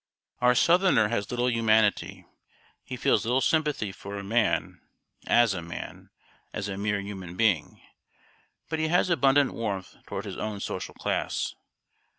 Our southerner has little humanity he feels little sympathy for a man, as a man as a mere human being but he has abundant warmth toward his own social class.